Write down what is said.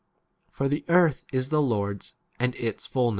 R adds ' For the earth is the Lord's and its fulness.'